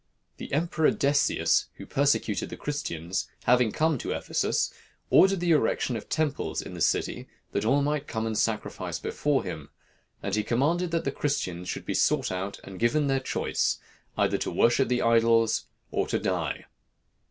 The Emperor Decius, who persecuted the Christians, having come to Ephesus, ordered the erection of temples in the city, that all might come and sacrifice before him; and he commanded that the Christians should be sought out and given their choice, either to worship the idols, or to die.